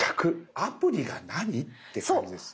「アプリが何？」って感じです。